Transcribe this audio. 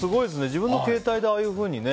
自分の携帯でああいうふうに。